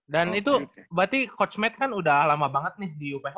dan itu berarti coach matt kan udah lama banget nih di uph